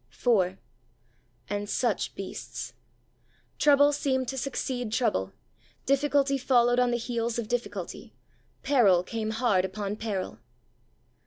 IV And such beasts! Trouble seemed to succeed trouble; difficulty followed on the heels of difficulty; peril came hard upon peril.